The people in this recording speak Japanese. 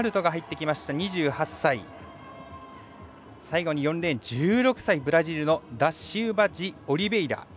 最後に４レーン１６歳ブラジルのダシウバジオリベイラ。